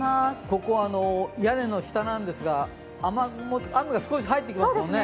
ここは屋根の下なんですが雨雲、雨が少し入ってきますもんね。